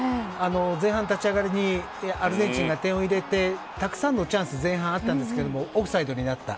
前半立ち上がりにアルゼンチンが点を入れてたくさんのチャンスが前半あったんですけどこれがオフサイドになった。